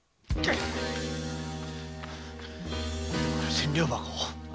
千両箱を？